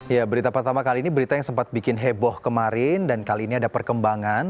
ya berita pertama kali ini berita yang sempat bikin heboh kemarin dan kali ini ada perkembangan